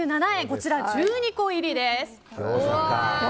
こちら１２個入りです。